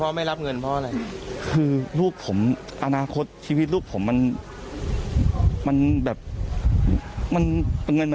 ฟังคุณพ่อเราเข้าใจเลยอ่ะ